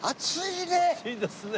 暑いですね。